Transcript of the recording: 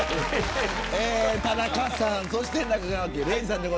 田中さんそして中川家、礼二さんです。